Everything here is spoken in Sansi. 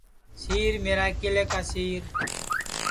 سِیر میرا ایکلے کا سِیر